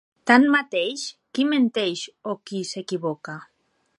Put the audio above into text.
Tanmateix, qui menteix o qui s’equivoca?